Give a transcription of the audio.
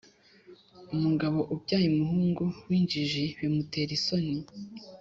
Umugabo ubyaye umuhungu w’injiji bimutera isoni,